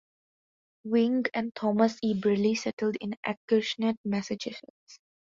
Wing and Thomas E. Braley settled in Acushnet, Massachusetts.